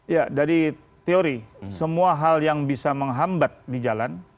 ya dari teori semua hal yang bisa menghambat di jalan